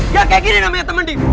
gak kayak gini namanya teman diva